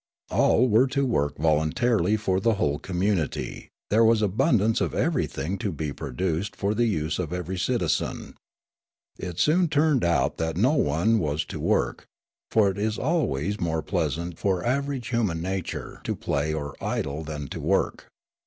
All were to work voluntarily for the whole community; there was abundance of everything to be produced for the use of every citizen. It soon turned out that no one was to work; for it is always more pleasant for average human nature to play or idle than to work.